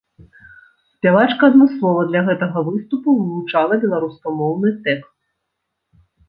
Спявачка адмыслова для гэтага выступу вывучала беларускамоўны тэкст.